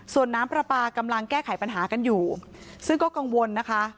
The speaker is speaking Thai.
ส่วนน้ำปลาปลากำลังแก้ไขปัญหากันอยู่ซึ่งก็กังวลนะคะ